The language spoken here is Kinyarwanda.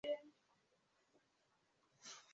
Uransabye imbabazi kubwibi.